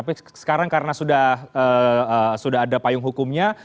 tapi sekarang karena sudah ada payung hukumnya